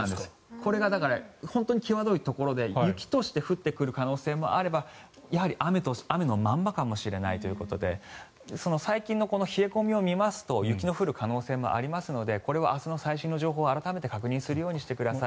これが本当に際どいところで雪として降ってくる可能性もあればやはり雨のまんまかもしれないということで最近の冷え込みを見ますと雪が降る可能性もありますのでこれは明日の最新の情報を改めて確認してください。